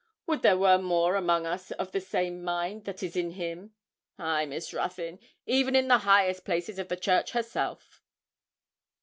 Would there were more among us of the same mind that is in him! Ay, Miss Ruthyn, even in the highest places of the Church herself.'